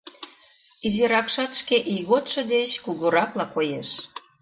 Изиракшат шке ийготшо деч кугуракла коеш.